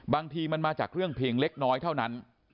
บางทีมันมาจากเรื่องเพียงเล็กน้อยเท่านั้น